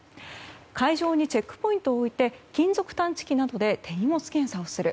会場にチェックポイントを置いて金属探知機などで手荷物検査をする。